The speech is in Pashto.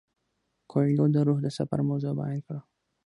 کویلیو د روح د سفر موضوع بیان کړه.